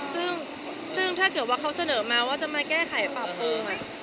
ซึ่งถ้าเขาเสนอมาว่าจะมาแก้ไขปรับปรึง